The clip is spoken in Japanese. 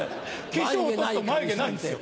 化粧落とすと眉毛ないんすよ。